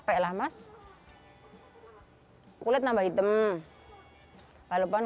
penerjaan yang dulu di sawah itu ya capek lah mas